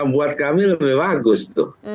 buat kami lebih bagus tuh